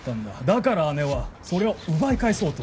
だから姉はそれを奪い返そうとした。